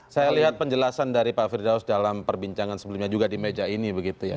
saya lihat penjelasan dari pak firdaus dalam perbincangan sebelumnya juga di meja ini begitu ya